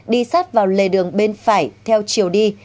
đi sát vào lề đường bên phải theo chiều đi